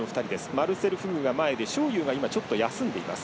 マルセル・フグが前で章勇が、ちょっと休んでいます。